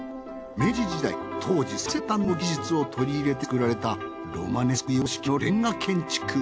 明治時代当時最先端の技術を取り入れて作られたロマネスク様式のレンガ建築。